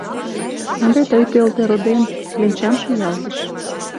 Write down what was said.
Ынде тый пелте, родем, — кленчам шуялтыш.